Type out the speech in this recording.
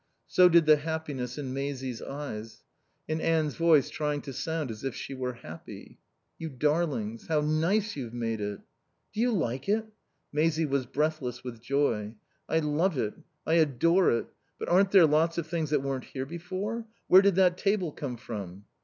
So did the happiness in Maisie's eyes. And Anne's voice trying to sound as if she were happy. "You darlings! How nice you've made it." "Do you like it?" Maisie was breathless with joy. "I love it. I adore it! But aren't there lots of things that weren't here before? Where did that table come from?"